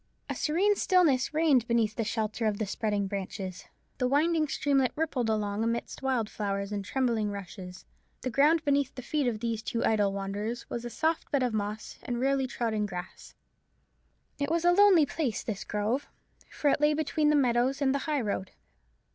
A serene stillness reigned beneath the shelter of the spreading branches. The winding streamlet rippled along amidst wild flowers and trembling rushes; the ground beneath the feet of these two idle wanderers was a soft bed of moss and rarely trodden grass. It was a lonely place this grove; for it lay between the meadows and the high road.